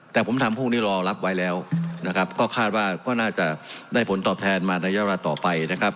แต่ผมทำพวกนี้รอรับไว้แล้วนะครับก็คาดว่าก็น่าจะได้ผลตอบแทนมาในระยะเวลาต่อไปนะครับ